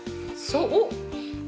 そう。